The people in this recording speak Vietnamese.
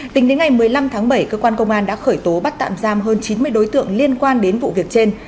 tính đến ngày một mươi năm tháng bảy cơ quan công an đã khởi tố bắt tạm giam hơn chín mươi đối tượng liên quan đến vụ việc trên